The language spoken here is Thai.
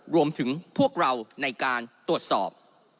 พวกเราในการตรวจสอบ